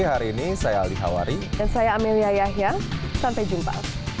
hari ini saya aldi hawari dan saya amelia yahya sampai jumpa